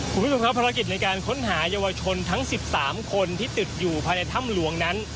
คุณผู้ชมครับภารกิจในการค้นหาเยาวชนทั้ง๑๓คนที่ติดอยู่ภายในถ้ำหลวงนั้น